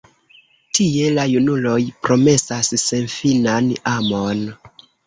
Tie la junuloj promesas senfinan amon.